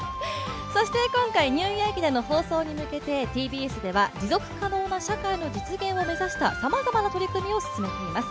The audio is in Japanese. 今回ニューイヤー駅伝の放送に向けてＴＢＳでは持続可能な社会の実現を目指したさまざまな取り組みを進めています。